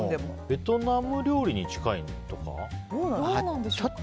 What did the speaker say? ベトナム料理に近いとか？